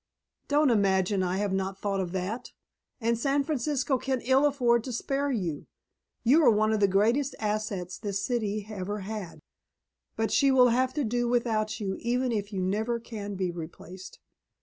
"Don't imagine I have not thought of that. And San Francisco can ill afford to spare you. You are one of the greatest assets this city ever had. But she will have to do without you even if you never can be replaced.